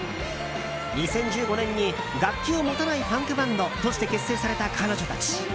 ２０１５年に、楽器を持たないパンクバンドとして結成された彼女たち。